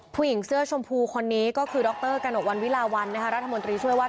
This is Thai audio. ผู้หญิงเสื้อชมพูคนนี้ก็คือดรกระหนกวันวิลาวันรัฐมนตรีช่วยว่า